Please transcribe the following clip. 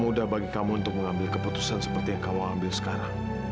mudah bagi kamu untuk mengambil keputusan seperti yang kamu ambil sekarang